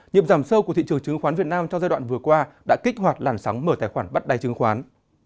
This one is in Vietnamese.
nhiệm giảm sâu của thị trường chứng khoán việt nam trong giai đoạn vừa qua đã kích hoạt làn sóng mở tài khoản bắt đáy chứng khoán